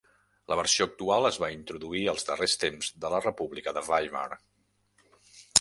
La versió actual es va introduir als darrers temps de la República de Weimar.